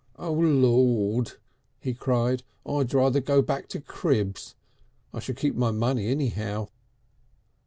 "Oh Lord!" he cried, "I'd rather go back to cribs. I should keep my money anyhow."